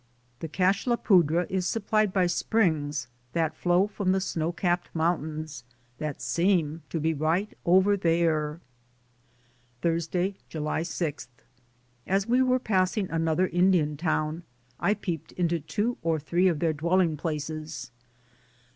The Cache la Poudre is supplied by springs that flow from the snow capped mountains that seem to be right over there. Thursday, July 6. As we were passing another Indian town I peeped into two or three of their dwelling places.